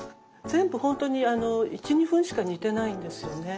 全部本当に１２分しか煮てないんですよね。